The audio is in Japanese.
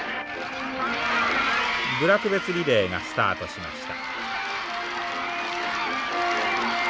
部落別リレーがスタートしました。